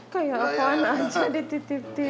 kayak apaan aja dititip titip